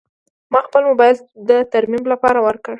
ما خپل موبایل د ترمیم لپاره ورکړ.